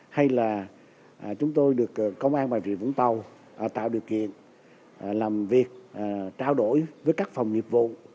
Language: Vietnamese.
hay là chúng tôi được công an bà rịa vũng tàu tạo điều kiện làm việc trao đổi với các phòng nghiệp vụ